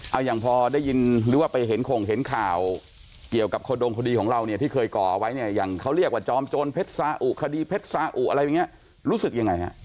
เอาอย่างพอได้ยินหรือว่าไปเห็นข่งเห็นข่าวเกี่ยวกับขดงคดีของเราเนี่ยที่เคยก่อเอาไว้เนี่ยอย่างเขาเรียกว่าจอมโจรเพชรสาอุคดีเพชรสาอุอะไรอย่างนี้รู้สึกยังไงฮะ